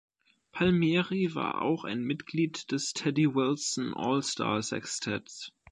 Palmieri war auch ein Mitglied des "Teddy Wilson All-Star Sextetts".